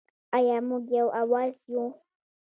آیا موږ یو اواز یو؟